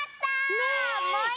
ねえ。